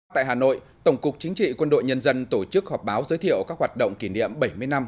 tại hà nội tổng cục chính trị quân đội nhân dân tổ chức họp báo giới thiệu các hoạt động kỷ niệm bảy mươi năm